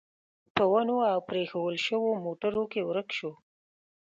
په ونو او پرېښوول شوو موټرو کې ورک شو.